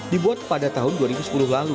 dibuat pada tahun dua ribu sepuluh lalu